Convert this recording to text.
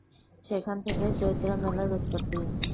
সেখান থেকে চৈত্র মেলার উৎপত্তি।